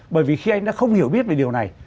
bởi vì khi anh đã không hiểu biết về điều này